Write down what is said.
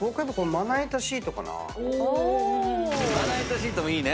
まな板シートもいいね